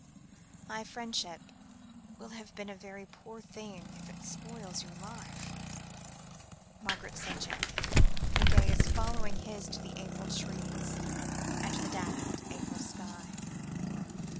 "My friendship will have been a very poor thing if it spoils your life," Margaret said gently, her gaze following his to the April trees, and the dappled April sky.